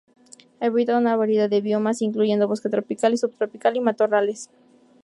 Habita una variedad de biomas incluyendo bosque tropical y subtropical y matorrales.